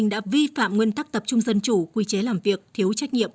đã vi phạm nguyên tắc tập trung dân chủ quy chế làm việc thiếu trách nhiệm